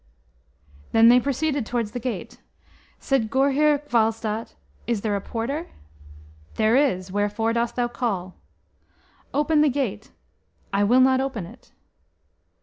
Then they proceeded towards the gate. Said Gurhyr Gwalstat, "Is there a porter?" "There is; wherefore dost thou call?" "Open the gate." "I will not open it."